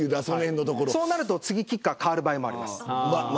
そうなると次キッカー変わる場合もあります。